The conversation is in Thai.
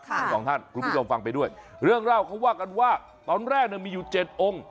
คุณผู้ชมฟังไปด้วยเรื่องเล่าเขาว่ากันว่าตอนแรกมีอยู่๗องค์